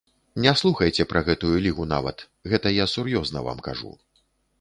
Не слухайце пра гэтую лігу нават, гэта я сур'ёзна вам кажу.